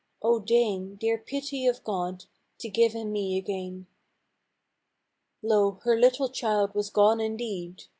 O deign, Dear Pity of God, to give him me again." MORE LIFE. 95 Lo ! her little child was gone indeed